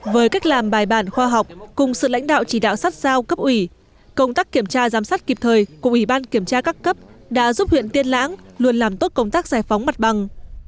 với cách làm bài bản khoa học cùng sự lãnh đạo chỉ đạo sát sao cấp ủy công tác kiểm tra giám sát kịp thời của ủy ban kiểm tra các cấp đã giúp huyện tiên lãng luôn làm tốt công tác giải phóng mặt bằng